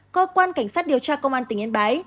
cơ quan cảnh sát điều tra công an tỉnh yên bái